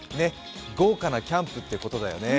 豪華なキャンプってことだよね。